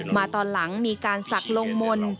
มาตอนหลังมีการสักลงมนต์